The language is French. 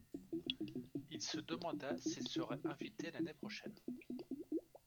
Il se demanda s’il serait invité l’année prochaine.